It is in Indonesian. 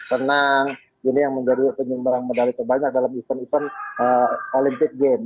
tenang ini yang menjadi penyumbang medali terbanyak dalam event event olimpik game